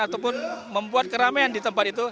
ataupun membuat keramaian di tempat itu